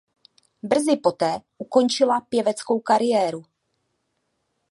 Brzy poté ukončila pěveckou kariéru.